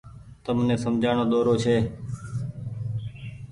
تم ني سمجهآڻو ۮورو ڇي۔